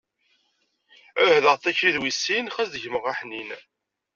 Ɛuhdeɣ tikli d wissin, xas d gma aḥnin.